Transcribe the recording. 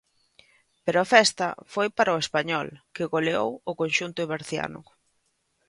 Pero a festa foi para o Español, que goleou o conxunto berciano.